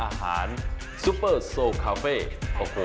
เอาล่ะเดินทางมาถึงในช่วงไฮไลท์ของตลอดกินในวันนี้แล้วนะครับ